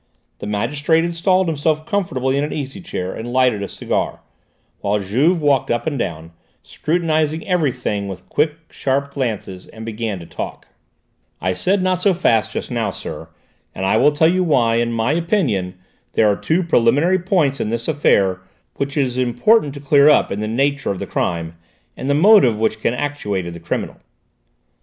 The magistrate installed himself comfortably in an easy chair and lighted a cigar, while Juve walked up and down, scrutinising everything with quick, sharp glances, and began to talk: "I said 'not so fast' just now, sir, and I will tell you why: in my opinion there are two preliminary points in this affair which it is important to clear up: the nature of the crime, and the motive which can have actuated the criminal.